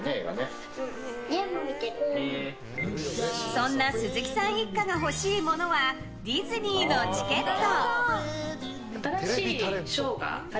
そんな鈴木さん一家が欲しいものはディズニーのチケット。